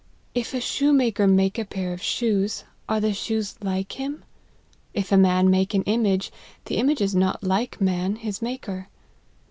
If a shoemaker make a pair of shoes, are the shoes like him ? If a man make an image, the image is not like man, his maker.